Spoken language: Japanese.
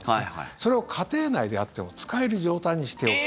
それを家庭内であっても使える状態にしておく。